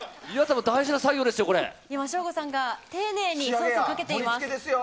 省吾さんが丁寧にソースをかけています。